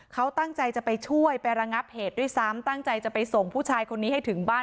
เขาตั้งใจจะไปช่วยไประงับเหตุด้วยซ้ำตั้งใจจะไปส่งผู้ชายคนนี้ให้ถึงบ้าน